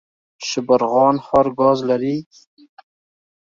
شبرغان ښار ګاز لري؟